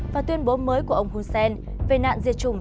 và tuyên bố mới của ông hussein về nạn diệt chủng